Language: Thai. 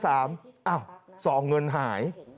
อ้าวซองเงินหาย